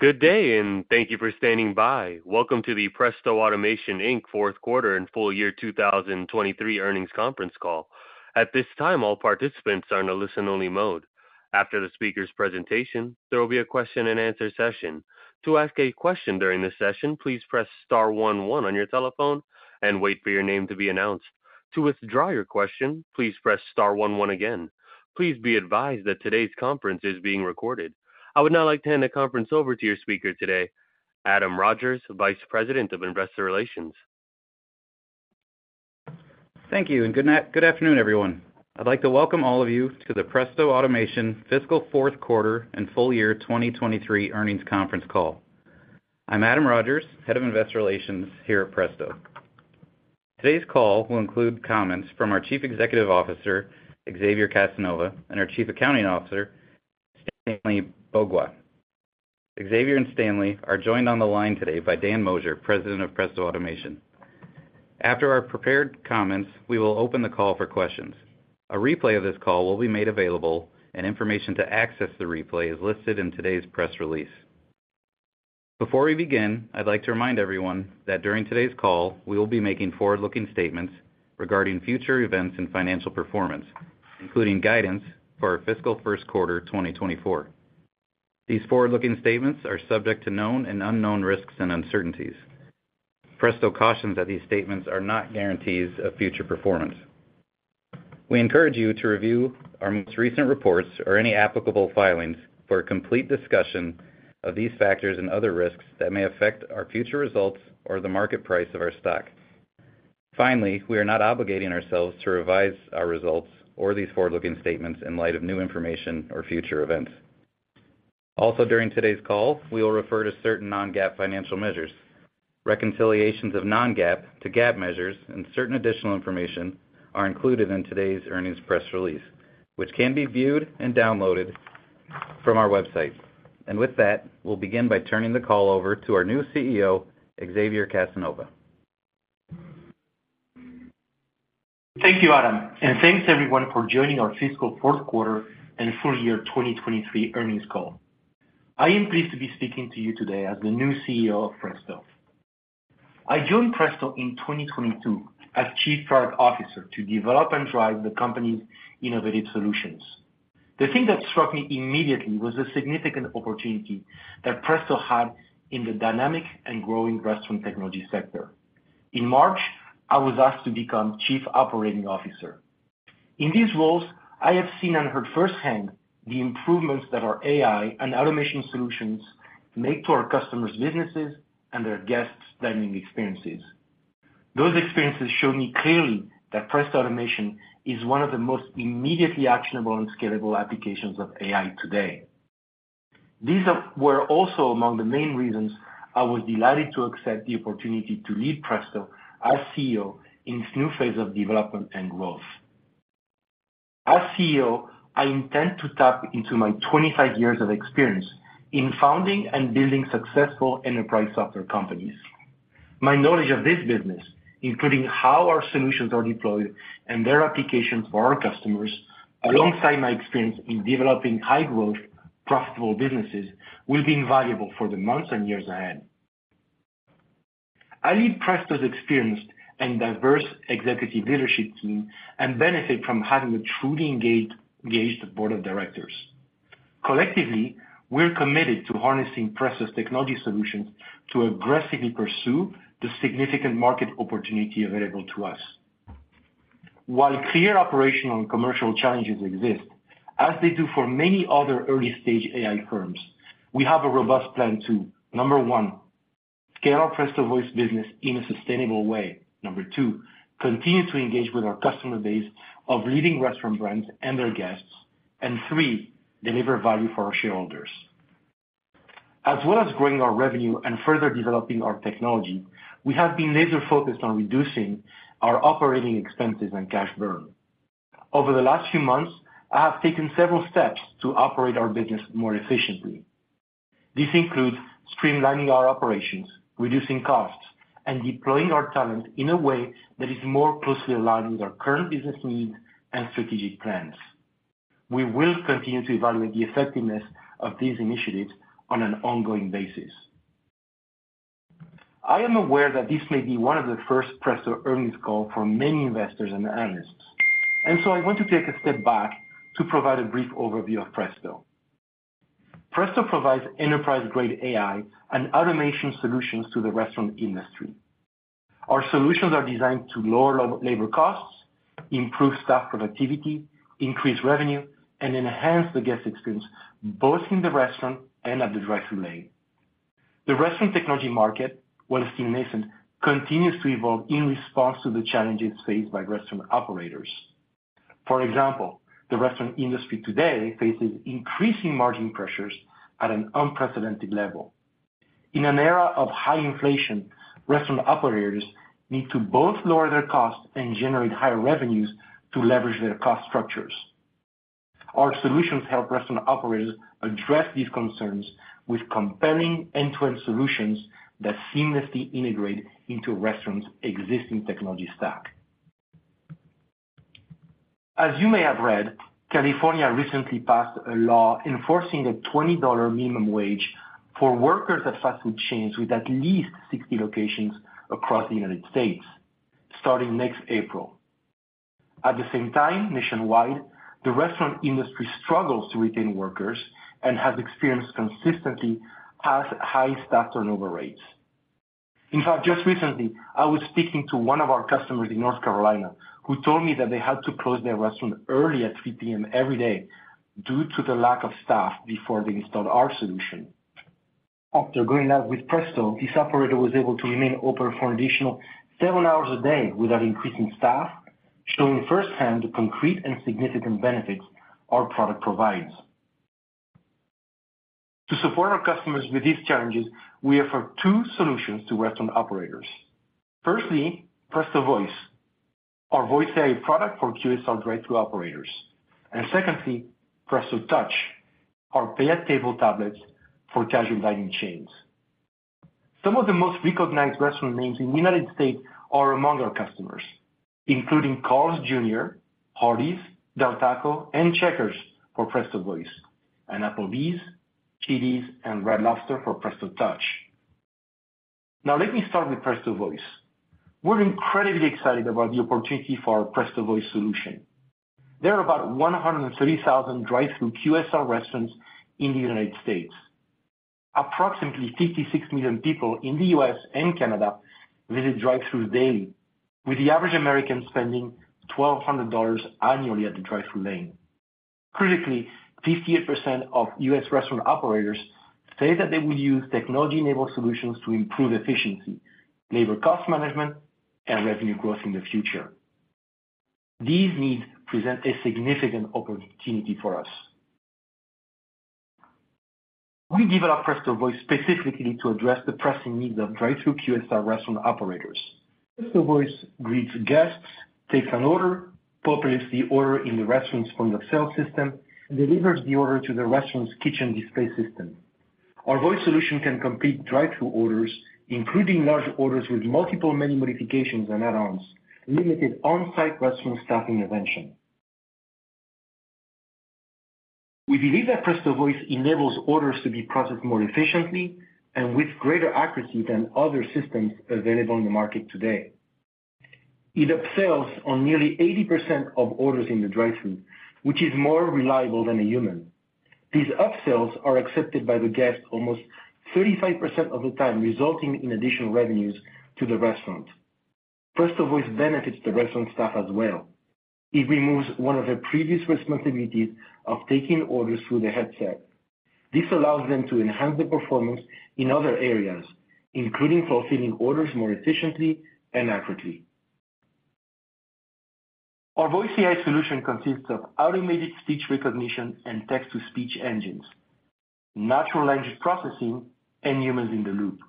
Good day and thank you for standing by. Welcome to the Presto Automation Inc. 4th Quarter and Full Year 2023 Earnings Conference Call. At this time, all participants are in a listen only mode. After the speakers' presentation, there will be a question and answer Please be advised that today's conference is being recorded. I would now like to hand the conference over to your speaker today, Adam Rogers, Vice President of Investor Relations. Thank you, and good afternoon, everyone. I'd like to welcome all of you to the Presto Automation fiscal 4th quarter and full year 2023 earnings conference call. I'm Adam Rogers, Head of Investor Relations here at Presto. Today's call will include comments from our Chief Executive Officer, Xavier Casanova and our Chief Accounting Officer, Stanley Bogois. Xavier and Stanley are joined on the line today by Dan Mosier, President of Presto Automation. After our prepared comments, we will open the call for questions. A replay of this call will be made available and information to access the replay is listed in today's press release. Before we begin, I'd like to remind everyone that during today's call, we will be making forward looking statements regarding future events and financial performance, including guidance for our fiscal Q1 2024. These forward looking statements are subject to known and unknown risks and uncertainties. Presto cautions that these statements are not guarantees of future performance. We encourage you to review our most recent reports or any applicable filings for a complete discussion of these factors and other risks that may affect our future results or the market price of our stock. Finally, we are not obligating ourselves to revise our results or these forward looking statements in light of new information or future events. Also during today's call, we will refer to certain non GAAP financial measures. Reconciliations of non GAAP to GAAP measures and certain additional information are included in today's earnings press release, which can be viewed and downloaded from our website. And with that, We'll begin by turning the call over to our new CEO, Xavier Casanova. Thank you, Adam, and thanks everyone for joining our fiscal Q4 and full year 2023 earnings call. I am pleased to be I joined Presto in 2022 as Chief Product Officer to develop and drive the company's Innovative Solutions. The thing that struck me immediately was a significant opportunity that Presto had in the dynamic and growing restaurant technology sector. In March, I was asked to become Chief Operating Officer. In these roles, I have seen and heard firsthand the improvements that our AI and automation solutions make to our customers' businesses and their guests' dining experiences. Those experiences show me clearly that press automation is one of the most immediately actionable and scalable applications of AI today. These were also among the main reasons I was delighted to accept the opportunity to lead Presto as CEO in its new phase of development and growth. As CEO, I intend to tap into my 25 years of experience in founding and building successful enterprise software companies. My knowledge of this business, including how our solutions are deployed and their applications for our customers alongside my experience in developing high growth profitable businesses will be invaluable for the months and years ahead. I lead Presto's experienced and diverse executive leadership team and benefit from having a truly engaged Board of Directors. Collectively, we are committed to harnessing Presta's technology solutions to aggressively pursue the significant market opportunity available to us. While clear operational and commercial challenges exist, as they do for many other early stage AI firms, We have a robust plan to: number 1, scale our Presto Voice business in a sustainable way number 2, continue to engage with our customer base of leading restaurant brands and their guests and 3, deliver value for our shareholders. As well as growing our revenue and further developing our technology, we have been laser focused on reducing our operating expenses and cash burn. Over the last few months, I have taken several steps to operate our business more efficiently. This includes streamlining our operations, reducing costs and deploying our talent in a way that is more closely aligned with our current business needs and strategic plans. We will continue to evaluate the effectiveness of these initiatives on an ongoing basis. I am aware that this may be one of the first Presto earnings call for many investors and analysts. And so I want to take a step back to provide a brief overview of Presto. Presto provides enterprise grade AI and automation solutions to the restaurant industry. Our solutions are designed to lower labor costs, improve staff productivity, increase revenue and enhance the guest experience both in the restaurant and at the restaurant lane. The restaurant technology market, while still nascent, continues to evolve in response to the challenges faced by restaurant operators. For example, the restaurant industry today faces increasing margin pressures at an unprecedented level. In an era of high inflation, restaurant operators need to both lower their costs and generate higher revenues to leverage their cost structures. Our solutions help restaurant operators address these concerns with comparing end to end solutions that seamlessly integrate into restaurants' existing technology stack. As you may have read, California recently passed a law enforcing a $20 minimum wage for workers at fast food chains with at least 60 locations across the United States starting next April. At the same time, nationwide, the restaurant industry struggles to retain workers and has experienced consistently past high staff turnover rates. In fact, just recently, I was speaking to one of our customers in North Carolina, who told me that they had to close their restaurant early at 3 pm every day due to the lack of staff before they installed our solution. After going out with Presto, this operator was able to remain open for an additional 7 hours a day without increasing staff, showing firsthand the concrete and significant benefits our product provides. To support our customers with these challenges, We have 2 solutions to restaurant operators. Firstly, Presto Voice, our voice AI product for QSR direct to operators and secondly, Presto Touch, our payette table tablets for casual dining chains. Some of the most recognized restaurant names in the United States are among our customers, including Carl's Jr, Hardee's, Del Taco and Checkers for Presto Voice and Applebee's, Chili's and Red Lobster for Presto Touch. Now let me start with Presto Voice. We're incredibly excited about the opportunity for our Presto Voice solution. There are about 130,000 drive thru QSR restaurants in the United States. Approximately 56,000,000 people in the U. S. And Canada visit drive thru daily, with the average American spending $1200 annually at Detroit Food Lane. Critically, 58% of U. S. Restaurant operators say that they will use technology enabled solutions to improve efficiency, enable cost management and revenue growth in the future. These needs present a significant opportunity for us. We populates the order in the restaurants from the sales system and delivers the order to the restaurant's kitchen display system. Our voice solution can complete drive through orders, including large orders with multiple menu modifications and add ons, limited on-site restaurant staff intervention. We believe that PrestoVoice enables orders to be processed more efficiently and with greater accuracy than other systems available in the market today. It upsells on nearly 80% of orders in the dry food, which is more reliable than a human. These up sales are accepted by the guest almost 35% of the time resulting in additional revenues to the restaurant. First of all, it benefits the restaurant staff as well. It removes one of the previous responsibilities of taking orders through the headset. This allows them to enhance the performance in other areas, including fulfilling orders more efficiently and accurately. Our voice AI solution consists of automated speech recognition and text to speech engines, Natural Language Processing and Humans in the Loop.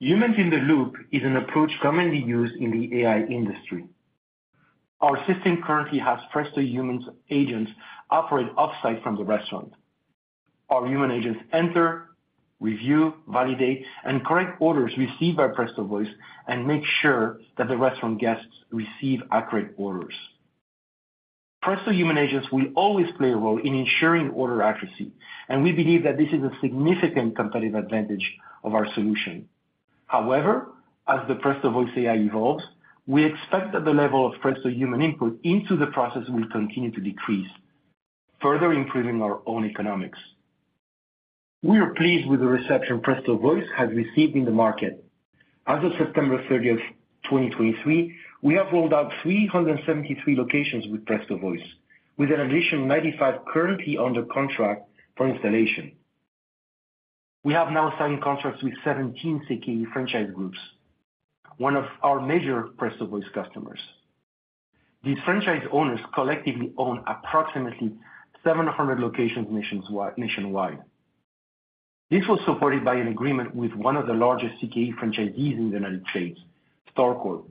Humans in the Loop is an approach commonly used in the AI industry. Our system currently has Presto Human Agents operate off-site from the restaurant. Our human agents enter, review, validate and correct orders received by Presto Voice and make sure that the restaurant guests receive accurate orders. Presto human agents will always play a role in ensuring order accuracy, and we believe that this is a significant competitive advantage of our solution. However, as the Presto Voice AI evolves, we expect that the level of Presto human input into the process will continue to decrease, further improving our own economics. We are pleased with the reception Presto Voice has received in the market. As of September 30, 2023, we have rolled out 373 locations with Presto Voice, with an addition of 95 currently under contract for installation. We have now signed contracts with 17 CKD franchise groups, one of our major Presto Voice customers. These franchise owners collectively own approximately 700 locations nationwide. This was supported by an agreement with 1 of the largest CKD franchisees in the United States, Starcorp,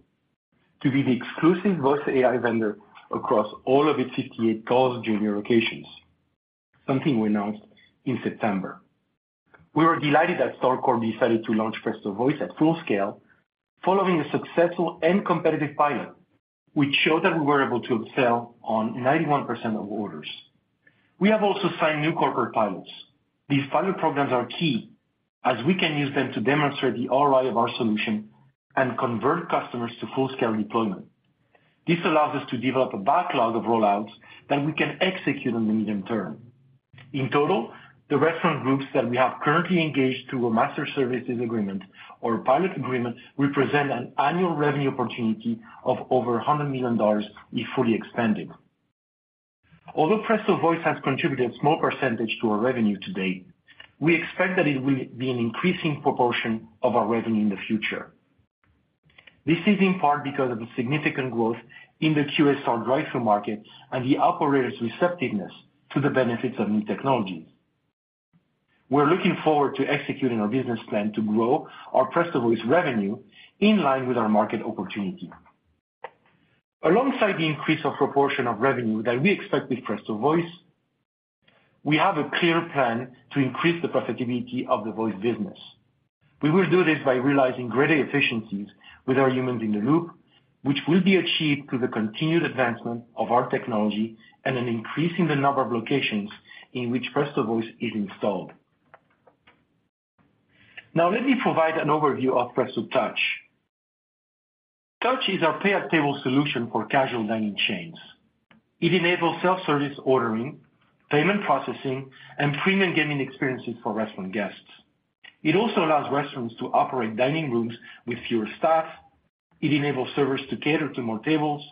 to be the exclusive voice AI vendor across all of its 58 calls junior occasions, something we announced in September. We were delighted that Starcore decided to launch We have also signed new corporate pilots. These pilot programs are key as we can use them to demonstrate the ROI of our solution and convert customers to full scale deployment. This allows us to develop a backlog of rollouts that we can execute in the medium term. In total, the restaurant groups that we have currently engaged to a master services agreement or pilot agreement represent an annual revenue opportunity of over $100,000,000 be fully expanded. Although Presto Voice has contributed a small percentage to our revenue to date, we expect that it will be an increasing proportion of our revenue in the future. This is in part because of the significant growth in the QSR drive thru market and the operator's receptiveness to the benefits of new technologies. We are looking forward to executing our business plan to grow our PrestoVoice revenue in line with our market opportunity. Alongside the increase of proportion of revenue that we expect with Presto Voice, we have a clear plan to increase the profitability of the VoIP business. We will do this by realizing greater efficiencies with our humans in the loop, which will be achieved through the continued advancement of our technology and an increase in the number of locations in which Presto Voice is installed. Now let me provide an overview of Presto Touch. Touch is our pay up table solution for casual dining chains. It enables self-service ordering, payment processing and premium gaming experiences for restaurant guests. It also allows restaurants to operate dining rooms with fewer staff, it enables servers to cater to more tables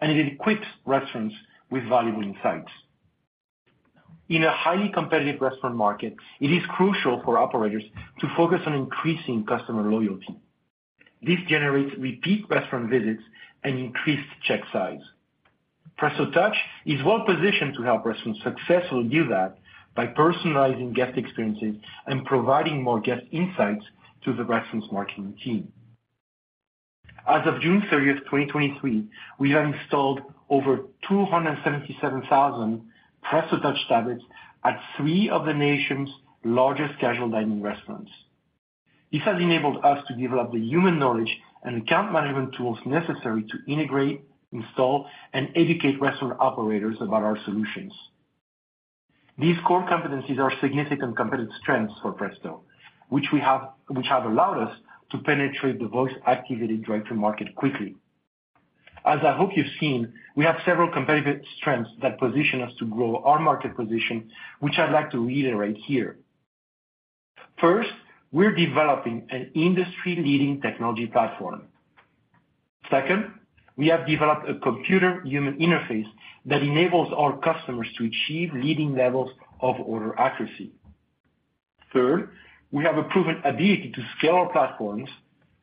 and it equips restaurants with valuable insights. In a highly competitive restaurant market, it is crucial for operators to focus on increasing customer loyalty. This generates repeat restaurant visits and increased check size. PrestoTouch is well positioned to help restaurants successfully do that by personalizing guest experiences and providing more guest insights to the reference marketing team. As of June 30, 2023, we have installed over 277,000 presso touch tablets at 3 of the nation's largest casual dining restaurants. This has enabled us to develop the human knowledge and account management tools necessary to integrate, install and educate restaurant operators about our solutions. These core competencies are significant competitive strengths for Presto, which we have which have allowed us to penetrate the voice activated directory market quickly. As I hope you've seen, we have several competitive trends that position us to grow our market position, which I'd like to reiterate here. 1st, we're developing an industry leading technology platform. 2nd, we have developed a computer human interface that enables our customers to achieve leading levels of order accuracy. 3rd, we have a proven ability to scale our platforms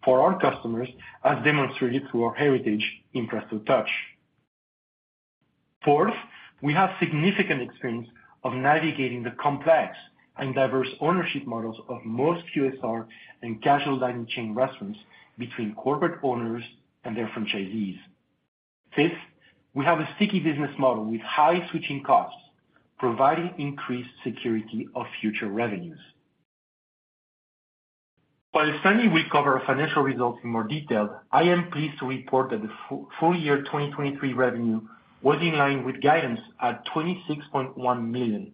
for our customers as demonstrated through our heritage in PrestoTouch. 4th, we have significant experience of navigating the complex and diverse ownership models of most QSR and casual dining chain restaurants between corporate owners and their franchisees. 5th, we have a sticky business model with high switching costs, providing increased security of future revenues. While Sandy will cover our financial results in more detail, I am pleased to report that the Full year 2023 revenue was in line with guidance at $26,100,000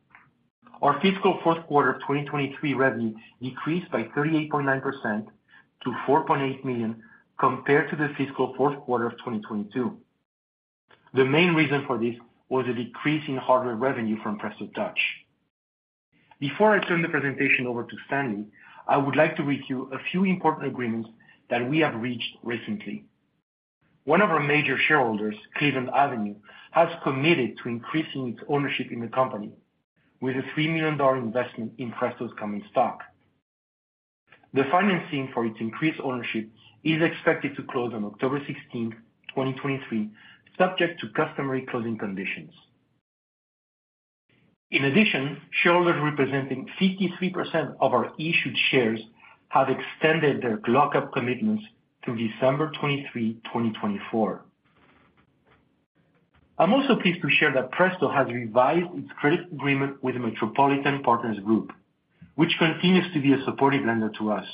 Our fiscal Q4 2023 revenue decreased by 38.9 percent to $4,800,000 compared to the fiscal Q4 of 2022. The main reason for this was a decrease in hardware revenue from PrestoTouch. Before I turn the presentation over to Stanley, I would like to read you a few important agreements that we have reached recently. 1 of our major shareholders, Cleveland Avenue, has committed to increasing its ownership in the company with a $3,000,000 investment in Presto's common stock. The financing for its increased ownership is expected to close on October 16, 2023, subject to customary closing conditions. In addition, shareholders representing 53% of our issued shares have extended their lockup commitments through December 23, 2024. I'm also pleased to share that Presto has revised its credit agreement with Metropolitan Partners Group, which continues to be a supportive lender to us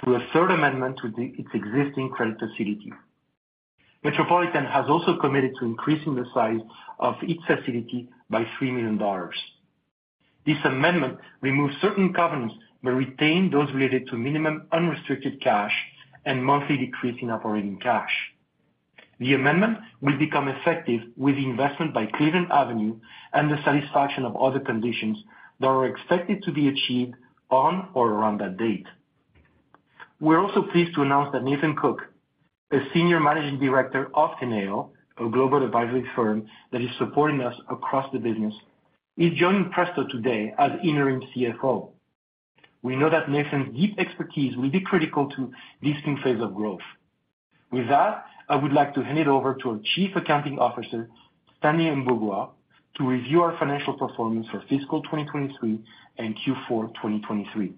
through a 3rd amendment to its existing credit facility. Metropolitan has also committed to increasing the size of its facility by $3,000,000 This amendment remove certain covenants but retain those related to minimum unrestricted cash and monthly decrease in operating cash. The amendment will become effective with the investment by Cleveland Avenue and the satisfaction of other conditions that are expected to be achieved on or around that date. We're also pleased to announce that Nathan Cook, a Senior Managing Director of Kineo, a global advisory firm that is supporting us across the business. He joined Presto today as interim CFO. We know that Nissan's deep expertise will be critical to distinct phase of growth. With that, I would like to hand it over to our Chief Accounting Officer, Tami and Beaudoin to review our financial performance for fiscal 2023 and Q4 2023.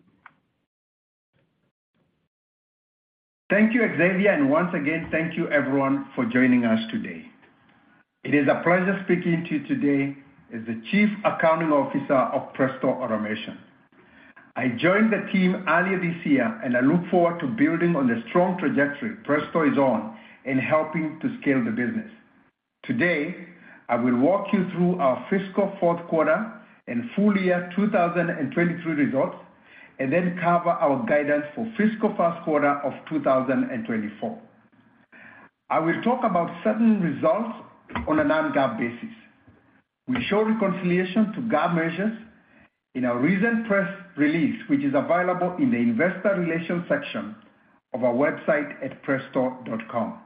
Thank you, Xavier. And once again, thank you, everyone, for joining us today. It is a pleasure speaking to you today as the Chief Accounting Officer of Presto Automation. I joined the team earlier this And I look forward to building on the strong trajectory Presto is on in helping to scale the business. Today, I will walk you through our fiscal Q4 and full year 2023 results and then cover our guidance for fiscal Q1 of 2024. I will talk about certain results on a non GAAP basis. We show reconciliations to GAAP measures in our recent press release, which is available in the Investor Relations section of our website at prestor.com.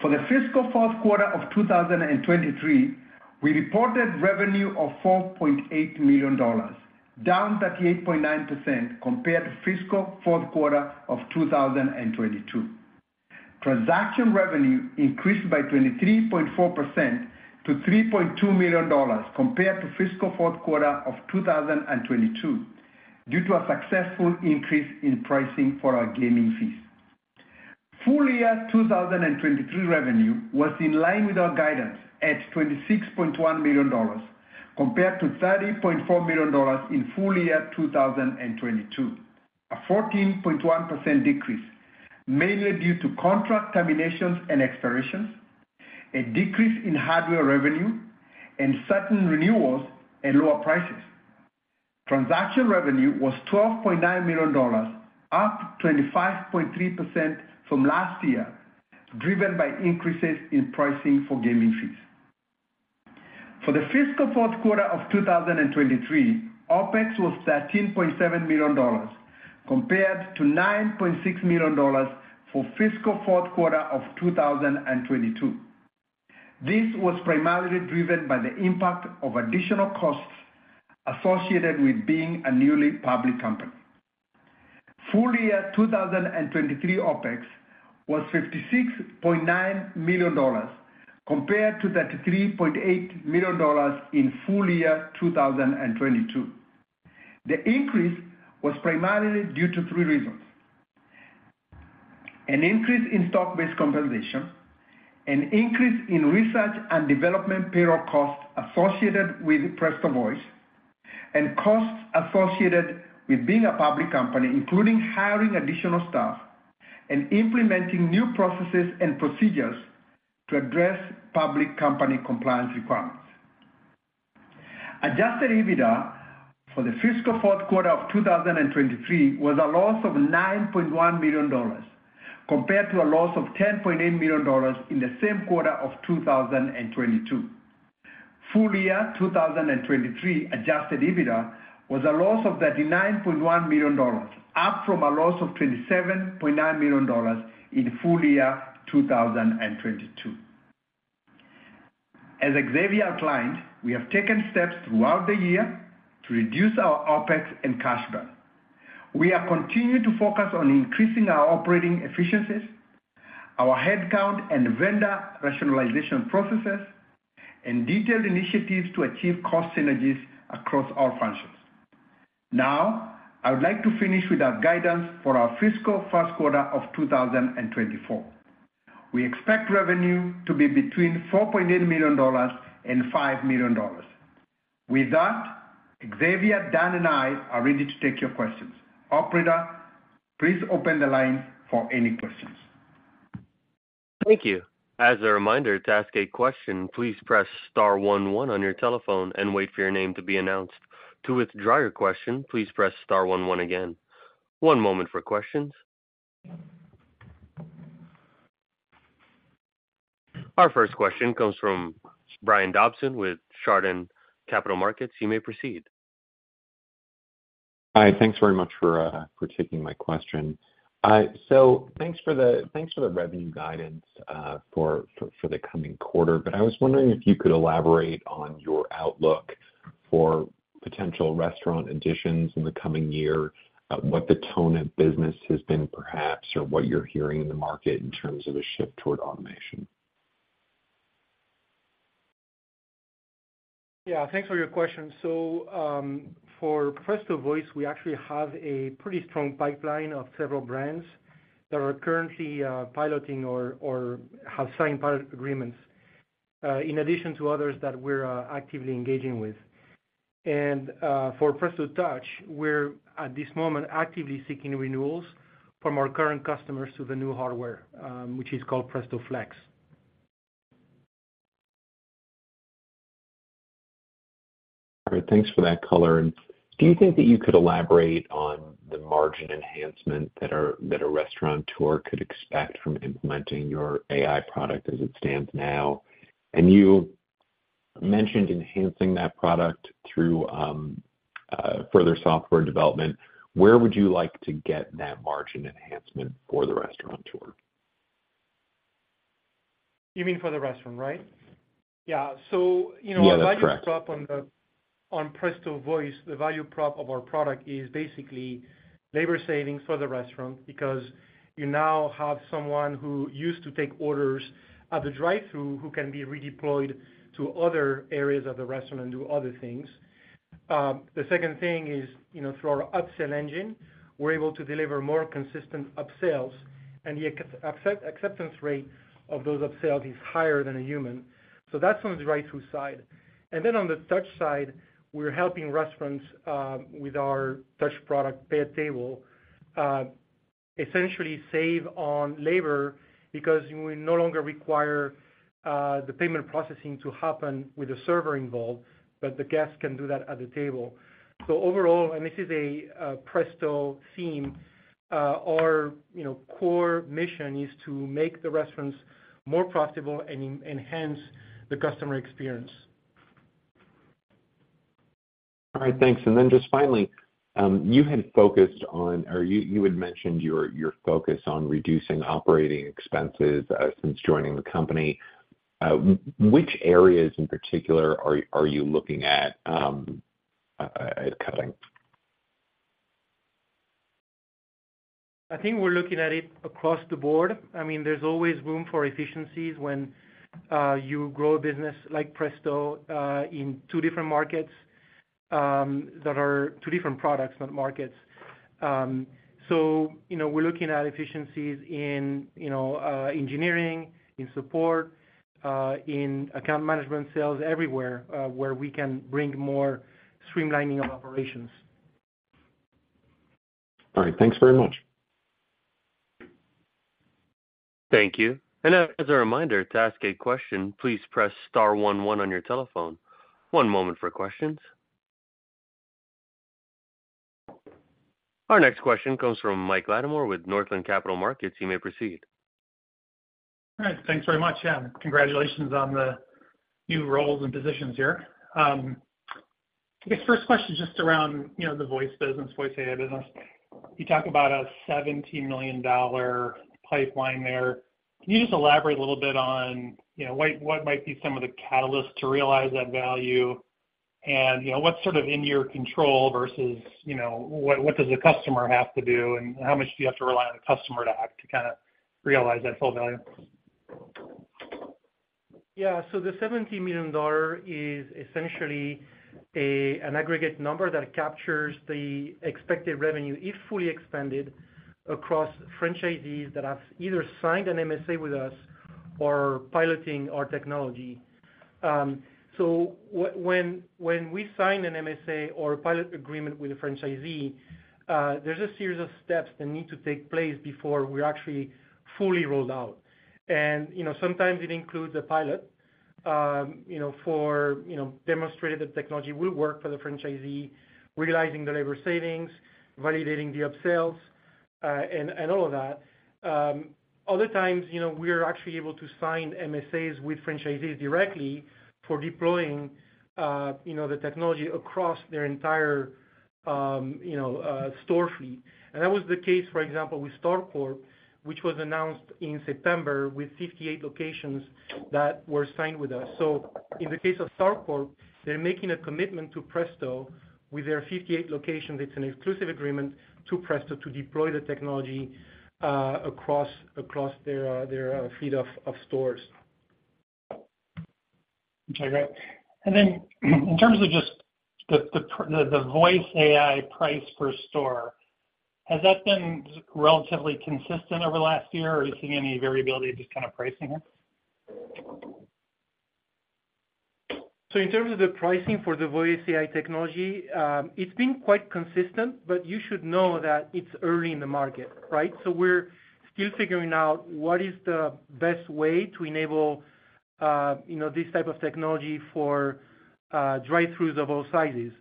For the fiscal Q4 of 2023, we reported revenue of $4,800,000 down 38.9% compared to fiscal Q4 of 2022. Transaction revenue increased by 23.4 percent to $3,200,000 compared to fiscal Q4 of 2022 due to a successful increase in pricing for our gaming fees. Full year 2023 revenue was in line with our guidance at $26,100,000 compared to $30,400,000 in full year 2022, A 14.1% decrease, mainly due to contract terminations and expirations, a decrease in hardware revenue and certain renewals and lower prices. Transaction revenue was $12,900,000 up 25.3% from last year, driven by increases in pricing for gaming fees. For the fiscal Q4 of 2023, OpEx was $13,700,000 compared to $9,600,000 for fiscal Q4 of 2022. This was primarily driven by the impact of additional costs associated with being a newly public company. Full year 2023 OpEx was $56,900,000 compared to 30 $3,800,000 in full year 2022. The increase was primarily due to three reasons: An increase in stock based compensation, an increase in research and development payroll costs associated with Presto Voice and costs associated with being a public company, including hiring additional staff and implementing new processes and procedures to address public company compliance requirements. Adjusted EBITDA for the fiscal Q4 2023 was a loss of $9,100,000 compared to a loss of $10,800,000 in the same quarter of 2022. Full year 2023 adjusted EBITDA was a loss of $39,100,000 up from a loss of $27,900,000 in full year 2022. As Xavier outlined, we have taken steps throughout the year to reduce our OpEx and cash burn. We are continuing to focus on increasing our operating efficiencies, our headcount and vendor rationalization processes and detailed initiatives to achieve cost synergies across all functions. Now I would like to finish with our guidance for our fiscal Q1 of 2024. We expect revenue to be between $4,800,000 $5,000,000 With that, Xavier, Dan and I are ready to take your questions. Operator, please open the line for any questions. Thank you. Our first question comes from Brian Dobson with Chardan Capital Markets. You may proceed. Hi. Thanks very much for taking my question. So thanks for the revenue guidance for the coming quarter. But I was wondering if you could elaborate on your outlook for potential restaurant additions in the coming year, What the tone of business has been perhaps or what you're hearing in the market in terms of a shift toward automation? Yes. Thanks for your question. So for Presto Voice, we actually have a pretty strong pipeline of several brands There are currently piloting or have signed pilot agreements in addition to others that we're actively engaging with. And for PrestoTouch, we're at this moment actively seeking renewals from our current customers to the new hardware, which is called Presto Flex. Thanks for that color. And do you think that you could elaborate on the margin That a restaurant tour could expect from implementing your AI product as it stands now. And you You mentioned enhancing that product through further software development. Where would you like to get that margin enhancement for the restaurant For the restaurant tour. You mean for the restaurant, right? Yes, correct. So, On Presto Voice, the value prop of our product is basically labor savings for the restaurant because you now have someone who used to take orders at the drive thru who can be redeployed to other areas of the restaurant and do other things. The second thing is Through our upsell engine, we're able to deliver more consistent upsells and the acceptance rate of those upsells is higher than a human. So that's on the right side. And then on the touch side, we're helping restaurants with our touch product bed table, Essentially save on labor because we no longer require the payment processing to happen with a server involved, But the guests can do that at the table. So overall and this is a presto theme, our Core mission is to make the restaurants more profitable and enhance the customer experience. All right. Thanks. And then just finally, you had focused on or you had mentioned your focus on reducing operating expenses since joining the company. Which areas in particular are you looking at cutting? I think we're looking at it across the board. I mean, there's always room for efficiencies when you grow a business like Presto in 2 different markets, that are 2 different products, not markets. So we're looking at efficiencies in Engineering, in support, in account management sales everywhere, where we can bring more streamlining of operations. All right. Thanks very much. Thank you. Our next question comes from Mike Latimore with Northland Capital Markets. You may proceed. All right. Thanks very much. Congratulations on the new roles and positions here. First question is just around the voice business, voice AI business. You talk about a $17,000,000 pipeline there. Can you just elaborate a little bit on what might be some of the catalysts to realize that value? And what's sort of in your control versus What does the customer have to do and how much do you have to rely on the customer to have to kind of realize that full value? Yes. So the $70,000,000 is essentially an aggregate number that captures the expected revenue if fully expanded across franchisees that have either signed an MSA with us or piloting our technology. So when we signed an MSA or a pilot agreement with the franchisee, there's a series of steps that need Take place before we actually fully rolled out. And sometimes it includes a pilot for demonstrated the The technology will work for the franchisee, realizing the labor savings, validating the upsells and all of that. Other times, we are actually able to sign MSAs with franchisees directly for deploying The technology across their entire store fleet. And that was the case, for example, with Starcorp, which was announced in September with 58 locations that were signed with us. So in the case of Starcorp, they're making a commitment to Presto With their 58 locations, it's an exclusive agreement to Presto to deploy the technology across their feed of stores. Okay. Great. And then in terms of just the voice AI price per store, Has that been relatively consistent over the last year or you see any variability just kind of pricing it? So in terms of the pricing for the Voya CI technology, it's been quite consistent, but you should know that it's early in the market, right? So we're You're figuring out what is the best way to enable this type of technology for drive throughs of all sizes.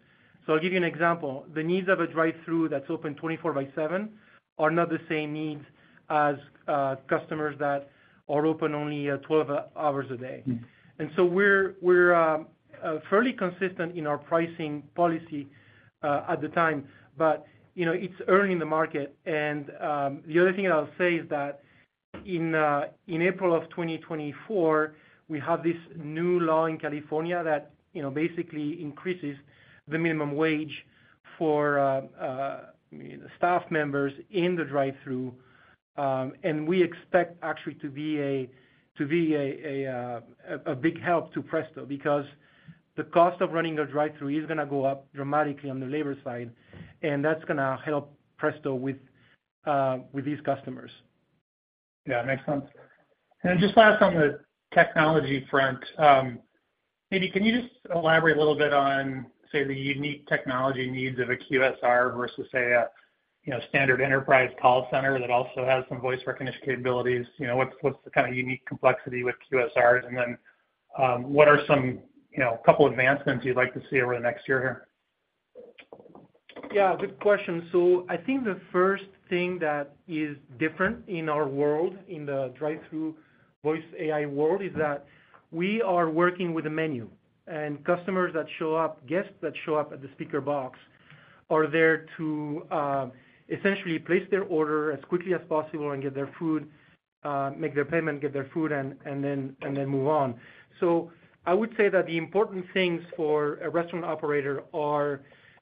So I'll give you an example. The needs of a drive through that's open 20 fourseven are not the same needs as customers that All open only 12 hours a day. And so we're fairly consistent in our pricing policy at the time. But it's early in the market. And the other thing I'll say is that in April of 2024, We have this new law in California that basically increases the minimum wage for The staff members in the drive thru and we expect actually to be a big help to Presto because The cost of running the drive thru is going to go up dramatically on the labor side and that's going to help Presto with these customers. Yes, it makes sense. And just last on the technology front, maybe can you just elaborate a little bit on, Say the unique technology needs of a QSR versus say a standard enterprise call center that also has some voice recognition capabilities, What's the kind of unique complexity with QSRs? And then what are some couple of advancements you'd like to see over the next year here? Yes, good question. So I think the first thing that is different in our world in the drive thru voice AI world is that We are working with the menu and customers that show up, guests that show up at the speaker box are there to essentially place their order as quickly as possible and get their food, make their payment, get their food and then move on. So I would say that the important things for a restaurant operator are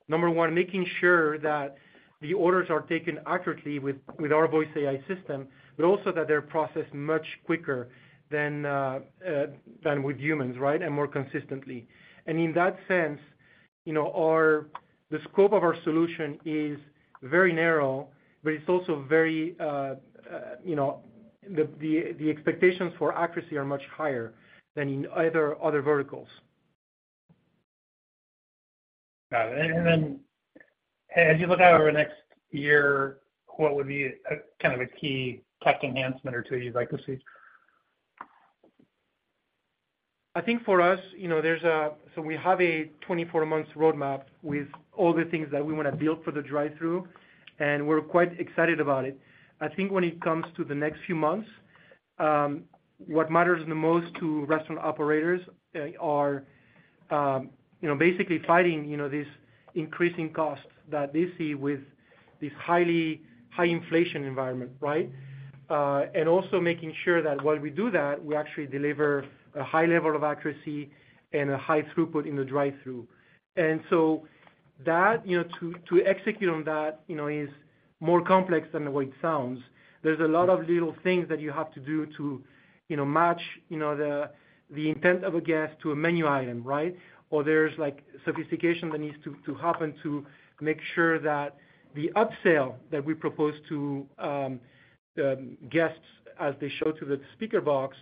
number 1, making sure that the orders are taken accurately with our voice AI system, But also that they're processed much quicker than with humans, right, and more consistently. And in that sense, The scope of our solution is very narrow, but it's also very The expectations for accuracy are much higher than in other verticals. Got it. And then as you look out over the next year, what would be kind of a key tough enhancement or 2 you'd like to see? I think for us, there's a so we have a 24 months roadmap with all the things that we want to build for the drive thru And we're quite excited about it. I think when it comes to the next few months, what matters the most to restaurant operators are Basically fighting this increasing costs that they see with this highly high inflation environment, right. And also making sure that while we do that, we actually deliver a high level of accuracy and a high throughput in the drive through. And so That to execute on that is more complex than the way it sounds. There's a lot of little things that you have to do to match The intent of a guest to a menu item, right? Or there's like sophistication that needs to happen to make sure that The upsell that we propose to guests as they show to the speaker box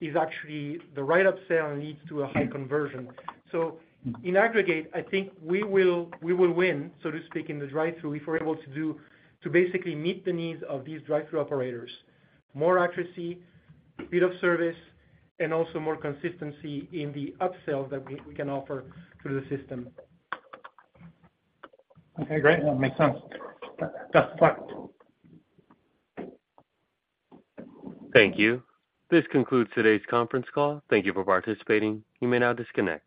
is actually the right upsell and needs to a high conversion. So in aggregate, I think we will win, so to speak, in the drive thru if we're able to do to basically meet the needs of these drive thru operators, More accuracy, speed of service and also more consistency in the upsell that we can offer through the system. Okay, great. That makes sense. Best of luck. Thank you. This concludes today's conference call. Thank you for participating. You may now disconnect.